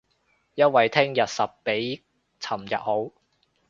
因為聼日實比尋日好